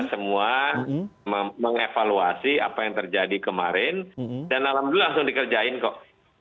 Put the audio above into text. jadi ya kita semua mengevaluasi apa yang terjadi kemarin dan alhamdulillah langsung dikerjain kok